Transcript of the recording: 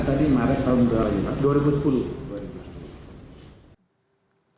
tadi maret tahun dua ribu lima belas